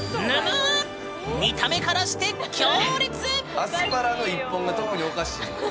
アスパラの一本が特におかしい。